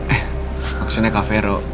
eh maksudnya kavero